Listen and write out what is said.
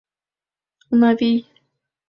— Унавий!